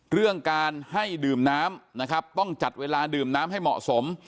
เรื่องการให้ดื่มน้ำนะครับต้องจัดเวลาดื่มน้ำให้เหมาะสม